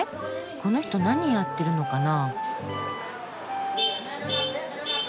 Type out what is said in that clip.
この人何やってるのかな？